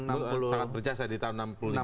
sangat berjasa di tahun enam puluh lima